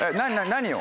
何を？